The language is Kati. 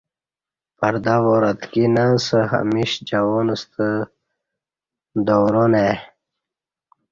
پردہ وار اتکی نہ اسہ ہمیش جوان ستہ دوران ا ی